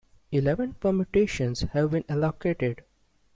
Eleven permutations have been allocated.